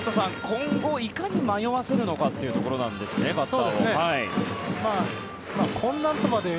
今後、いかに迷わせるかということなんですねバッターを。